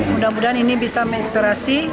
mudah mudahan ini bisa menginspirasi